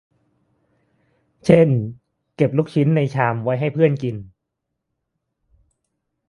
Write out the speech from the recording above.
เช่น เก็บลูกชิ้นในชามไว้ให้เพื่อนกิน